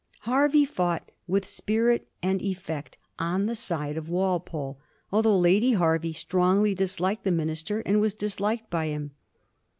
Hervey fought with spirit and effect on the side of Walpole, although Lady Hervey strongly disliked the minister and was disliked by him.